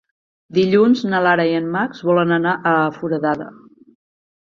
Dilluns na Lara i en Max volen anar a Foradada.